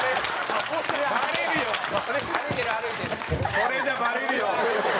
それじゃバレるよ。